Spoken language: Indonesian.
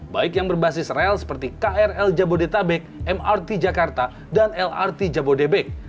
baik yang berbasis rel seperti krl jabodetabek mrt jakarta dan lrt jabodebek